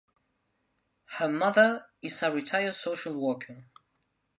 Her mother is a retired social worker.